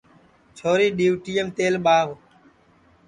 چھوری ڈِؔیوٹئیم تیل ٻاہو